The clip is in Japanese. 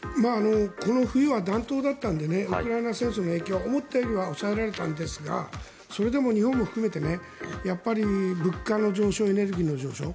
この冬は暖冬だったのでウクライナ戦争の影響は思ったよりは抑えられたんですがそれでも日本も含めて物価の上昇エネルギーの上昇